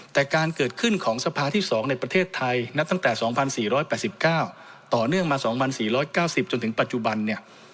แต่การเกิดขึ้นของสภาที่๒ในประเทศไทยนับตั้งแต่๒๔๘๙ต่อเนื่องมา๒๔๙๐จนถึงปัจจุบันเนี่ย